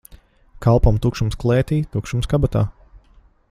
Kalpam tukšums klētī, tukšums kabatā.